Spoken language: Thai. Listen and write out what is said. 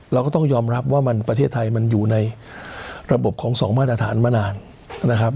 เราก็ต้องยอมรับว่าประเทศไทยมันอยู่ในระบบของสองมาตรฐานมานานนะครับ